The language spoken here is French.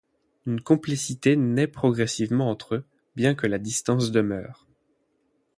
Une complicité naît progressivement entre eux, bien que la distance demeure.